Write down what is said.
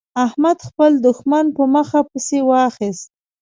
احمد خپل دوښمن په مخه پسې واخيست.